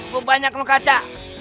kok banyak lo kaca